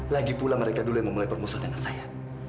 lagi pula mereka dulu yang memulai permusuh dengan saya